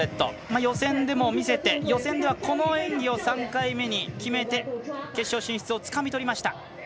予選でも見せて、予選ではこの演技を３回目に決めて決勝進出をつかみとりました。